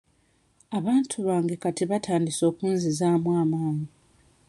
Abantu bange kati batandise okunzizaamu amaanyi.